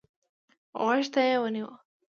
غوږ ته يې ونيو.